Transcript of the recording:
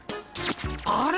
あれ？